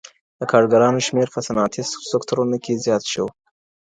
د کارګرانو شمير په صنعتي سکتورونو کي زيات شو.